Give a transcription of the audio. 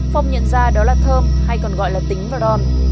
phong nhận ra đó là thơm hay còn gọi là tính và đòn